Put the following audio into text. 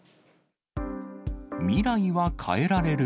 未来は変えられる。